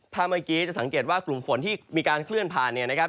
เมื่อกี้จะสังเกตว่ากลุ่มฝนที่มีการเคลื่อนผ่านเนี่ยนะครับ